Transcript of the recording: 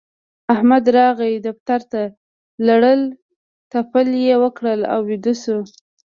احمد راغی دفتر ته؛ لړل تپل يې وکړل او ويده شو.